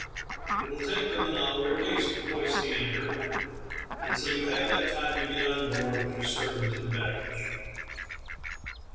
It will take them an hour at least to hoist the anchor, and so you have that time to get on board with your servant and baggage."